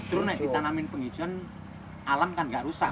justru naik ditanamin penghijauan alam kan nggak rusak mas